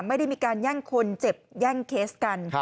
ไม่ได้มีการแย่งคนเจ็บแย่งเคสกัน